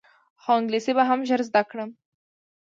خو انګلیسي به هم ژر زده کړم.